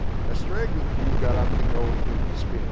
A straggling few got up to go in deep despair.